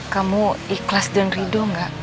kamu ikhlas dan ridho gak